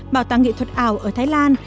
bảo tàng nghệ thuật ảo ở thái lan